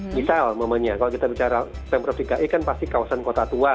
misal namanya kalau kita bicara pemprov dki kan pasti kawasan kota tua